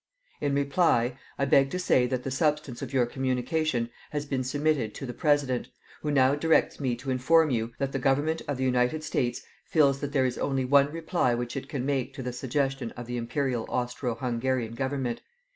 "In reply, I beg to say that the substance of your communication has been submitted to the President, who now directs me to inform you that the Government of the United States feels that there is only one reply which it can make to the suggestion of the Imperial Austro Hungarian Government.